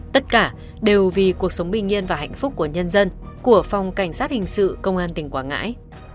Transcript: tất cả đều vì cuộc sống bình yên và hạnh phúc của nhân dân của phòng cảnh sát hình sự công an tỉnh quảng ngãi